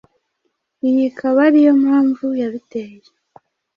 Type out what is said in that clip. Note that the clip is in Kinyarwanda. iyi ikaba ariyo mpamvu yabiteye